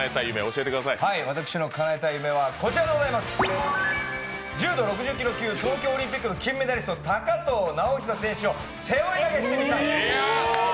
私のかなえたい夢は柔道６０キロ級、東京オリンピックの金メダリスト高藤直寿選手を背負い投げしてみたい。